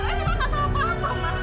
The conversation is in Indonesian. saya tidak tahu apa apa mama